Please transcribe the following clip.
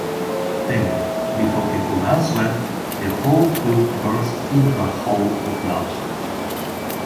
Then, before he could answer, the whole club burst into a howl of laughter.